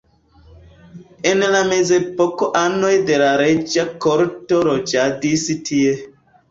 En la mezepoko anoj de la reĝa korto loĝadis tie.